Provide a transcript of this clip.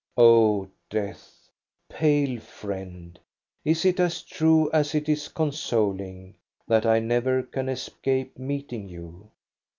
O Death, pale friend, is it as true as it is consoling, that I never can escape meeting you?